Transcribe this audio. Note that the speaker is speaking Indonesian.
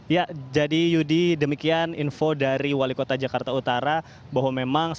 ya jadi yudi demikian